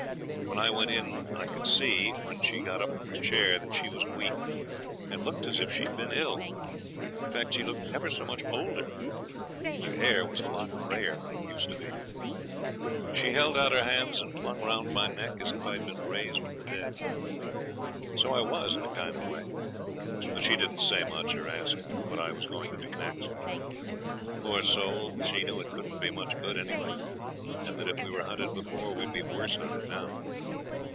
When I went in I could see, when she got up from her chair, that she was weak, and looked as if she'd been ill. She looked ever so much older, and her hair was a lot grayer than it used to be. She held out her arms and clung round my neck as if I'd been raised from the dead. So I was in a kind of a way. But she didn't say much, or ask what I was going to do next. Poor soul! she knew it couldn't be much good anyway; and that if we were hunted before, we'd be worse hunted now.